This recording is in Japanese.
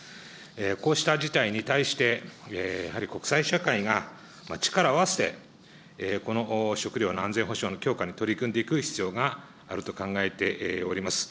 こうした事態に対して、やはり国際社会が力を合わせてこの食料の安全保障の強化に取り組んでいく必要があると考えております。